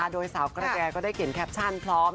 โดยสาวกระแยก็ได้เขียนแคปชั่นพร้อม